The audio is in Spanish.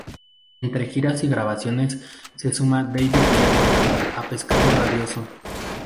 Entre giras y grabaciones se suma David Lebon a Pescado Rabioso.